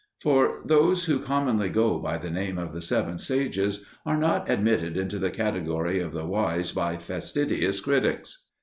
For those who commonly go by the name of the Seven Sages are not admitted into the category of the wise by fastidious critics.